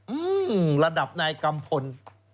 อืมระดับนายกัมพล